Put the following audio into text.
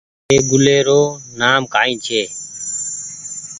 اي گُلي رو نآم ڪآئي ڇي۔